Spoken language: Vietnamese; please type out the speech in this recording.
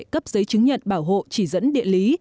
cấp giấy chứng nhận bảo hộ chỉ dẫn địa lý